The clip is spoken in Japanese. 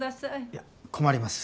いや困ります。